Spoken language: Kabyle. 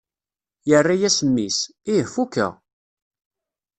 Yerra-as mmi-s: Ih fukeɣ!